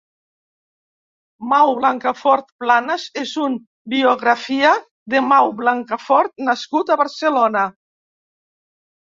Mau Blancafort Planas és un biografia de Mau Blancafort nascut a Barcelona.